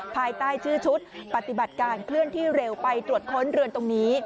ภายใต้ชื่อชุดปฏิบัติการเคลื่อนที่เร็วไปตรวจค้นเรือนตรงนี้